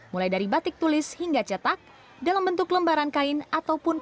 mulai dari batik tulis hingga cetak dalam bentuk lembaran kain ataupun